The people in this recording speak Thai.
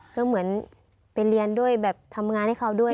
ก็เหมือนไปเรียนด้วยแบบทำงานให้เขาด้วย